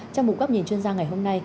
trong một góc nhìn chuyên gia ngày hôm nay